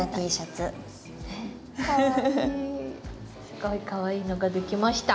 すごいかわいいのができました！